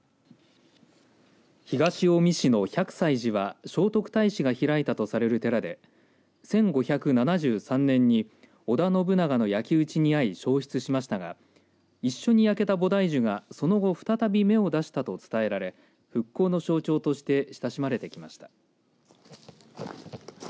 東近江市の百済寺は聖徳太子が開いたと寺で１５７３年に織田信長の焼き打ちにあい焼失しましたが一緒に焼けた菩提樹がその後再び芽を出したと伝えられ復興の象徴として親しまれてきました。